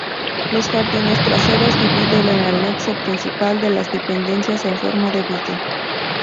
Los jardines traseros dividen el anexo principal de las dependencias en forma de villa.